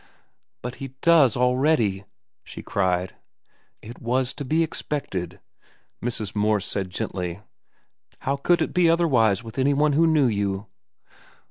"But he does—already," she cried. "It was to be expected," Mrs. Morse said gently. "How could it be otherwise with any one who knew you?"